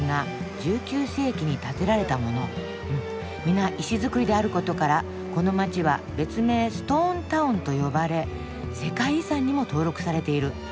「皆石造りであることからこの街は別名ストーンタウンと呼ばれ世界遺産にも登録されている」。